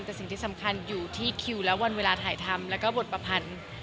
แต่สิ่งที่สำคัญอยู่ที่คิวและวันเวลาถ่ายทำแล้วก็บทประพันธ์